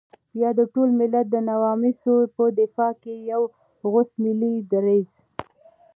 يا د ټول ملت د نواميسو په دفاع کې يو غوڅ ملي دريځ.